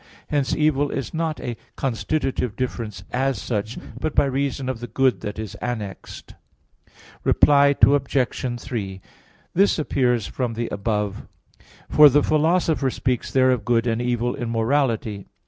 Hence evil is not a constitutive difference as such, but by reason of the good that is annexed. Reply Obj. 3: This appears from the above. For the Philosopher speaks there of good and evil in morality.